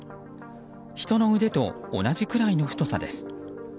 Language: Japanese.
人の腕と同じくらいの太さです。